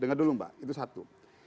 dengar dulu mbak itu satu